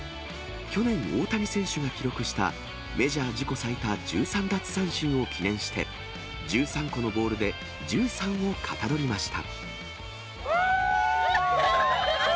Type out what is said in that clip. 去年、大谷選手が記録したメジャー自己最多１３奪三振を記念して、１３個のボールで、１３をかたどりました。